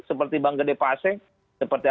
seperti bang gede pase seperti